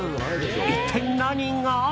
一体何が？